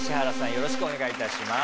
よろしくお願いします